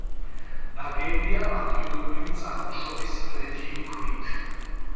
ნაგებია ადგილობრივი წარმოშობის ფლეთილი ქვით.